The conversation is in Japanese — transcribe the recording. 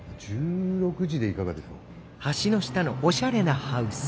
１６時でいかがでしょう？